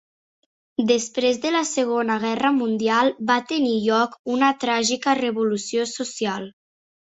Després de la segona guerra mundial va tenir lloc una tràgica revolució social.